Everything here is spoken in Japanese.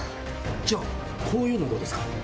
じゃあ、こういうのどうですか。